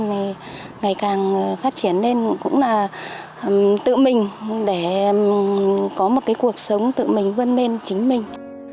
thì ngày càng phát triển nên cũng là tự mình để có một cái cuộc sống tự mình vươn lên chính mình